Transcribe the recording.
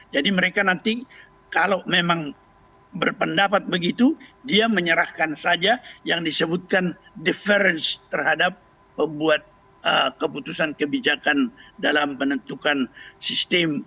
jadi mereka nanti kalau memang berpendapat begitu dia menyerahkan saja yang disebutkan difference terhadap pembuat keputusan kebijakan dalam penentukan sistem